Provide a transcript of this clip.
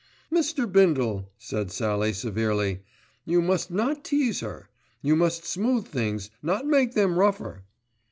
"Mr. Bindle," said Sallie severely, "you must not tease her. You must smooth things, not make them rougher."